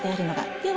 では。